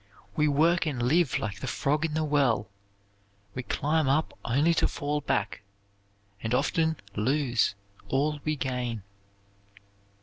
We work and live like the frog in the well; we climb up only to fall back, and often lose all we gain.